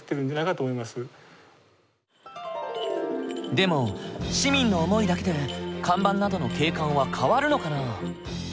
でも市民の思いだけで看板などの景観は変わるのかな？